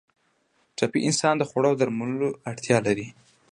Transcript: ټپي انسان د خوړو او درملو اړتیا لري.